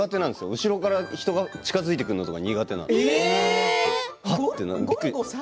後ろから人が近づいてくるのとか苦手なんです。